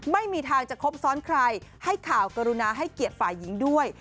ไม่มีทางจะครบซ้อนใครให้ข่าวกรุณาให้เกียรติฝ่ายหญิงด้วย